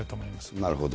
なるほど。